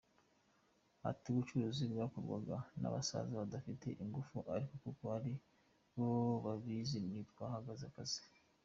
Ati “ubucukuzi bwakorwaga n’abasaza badafite ingufu ariko kuko aribo babizi ni twahaga akazi.